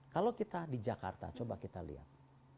kalau kita di jakarta coba kita lihat